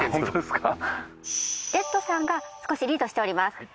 ＲＥＤさんが少しリードしております。